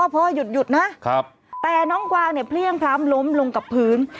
พอหยุดนะแต่น้องกวางเนี่ยเพลี่ยงพร้ามล้มลงกับพื้น